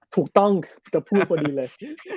ถูกต้องจะพูดพอดีเลย